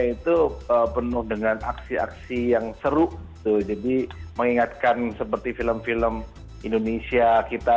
itu penuh dengan aksi aksi yang seru jadi mengingatkan seperti film film indonesia kita